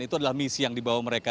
itu adalah misi yang dibawa mereka